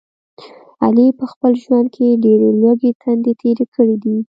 علي په خپل ژوند کې ډېرې لوږې تندې تېرې کړي دي.